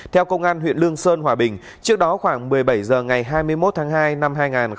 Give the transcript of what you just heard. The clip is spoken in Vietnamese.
theo công an huyện lương sơn hòa bình trước đó khoảng một mươi bảy h ngày hai mươi một tháng hai năm hai nghìn hai mươi